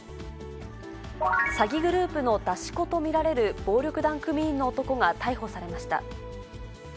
詐欺グループの出し子と見られる暴力団組員の男が逮捕されました。